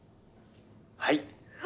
はい。